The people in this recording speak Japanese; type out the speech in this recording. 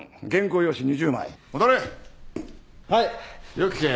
よく聞け。